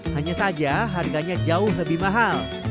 hanya saja harganya jauh lebih mahal